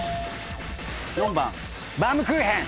４番バウムクーヘン。